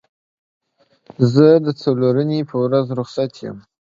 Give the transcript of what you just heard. زه د څلورنۍ په ورځ روخصت یم